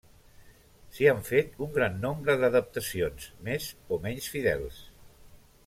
S'hi han fet un gran nombre d'adaptacions, més o menys fidels.